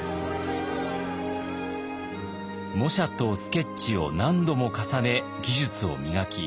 模写とスケッチを何度も重ね技術を磨き